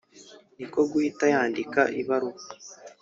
niko guhita yandika ibaruwa